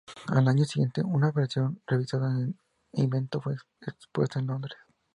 Al año siguiente, una versión revisada del invento fue expuesta en Londres.